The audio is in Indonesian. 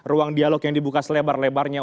ruang dialog yang dibuka selebar lebarnya